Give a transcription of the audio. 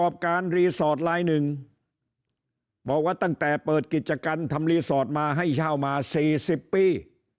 บอกว่าตั้งแต่เปิดกิจกรรมทำรีสอร์ตมาให้ชาวมา๔๐ปี